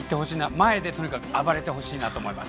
前でとにかく暴れてほしいと思います。